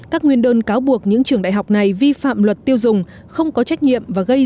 các nguyên đơn cáo buộc những trường đại học này vi phạm luật tiêu dùng không có trách nhiệm và gây